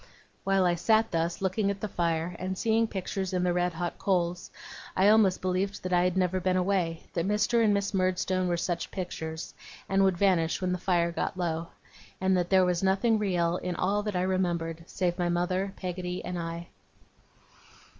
While I sat thus, looking at the fire, and seeing pictures in the red hot coals, I almost believed that I had never been away; that Mr. and Miss Murdstone were such pictures, and would vanish when the fire got low; and that there was nothing real in all that I remembered, save my mother, Peggotty, and I.